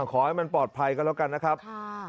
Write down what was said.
ขอให้มันปลอดภัยกันแล้วกันนะครับ